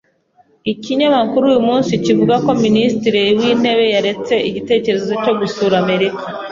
Ikinyamakuru uyu munsi kivuga ko minisitiri w’intebe yaretse igitekerezo cyo gusura Amerika.